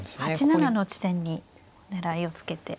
８七の地点に狙いをつけて。